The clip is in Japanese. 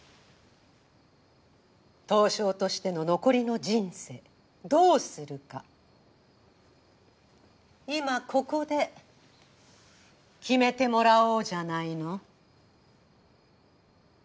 刀匠としての残りの人生どうするか今ここで決めてもらおうじゃないの。